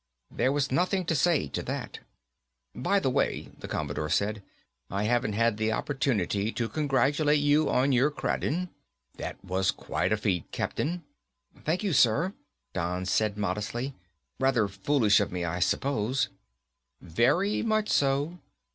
There was nothing to say to that. "By the way," the Commodore said, "I haven't had the opportunity to congratulate you on your Kraden. That was quite a feat, Captain." "Thank you, sir," Don added, modestly, "rather foolish of me, I suppose." "Very much so.